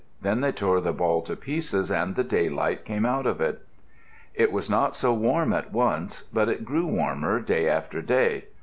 Then they tore the ball to pieces and the daylight came out of it. It was not so warm at once, but it grew warmer day after day.